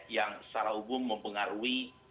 yang secara umum mempengaruhi